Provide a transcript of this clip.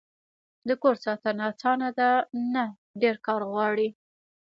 د کور ساتنه اسانه ده؟ نه، ډیر کار غواړی